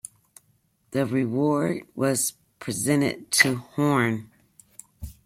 The award was presented to Horne.